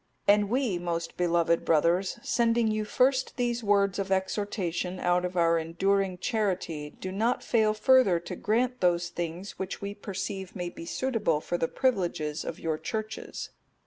'(260) And we, most beloved brothers, sending you first these words of exhortation out of our enduring charity, do not fail further to grant those things which we perceive may be suitable for the privileges of your Churches.